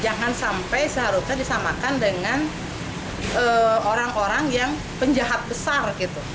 jangan sampai seharusnya disamakan dengan orang orang yang penjahat besar gitu